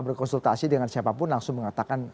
berkonsultasi dengan siapapun langsung mengatakan